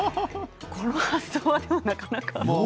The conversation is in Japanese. この発想は、なかなか。